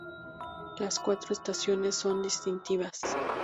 Las cuatro estaciones son distintivas.